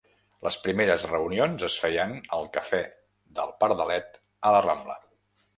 Les primeres reunions es feien al Café del Pardalet a la Rambla.